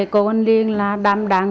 cô căn linh là đam đàng